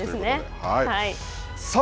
さあ